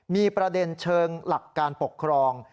มีประเด็นเชิงหลักการปกครอง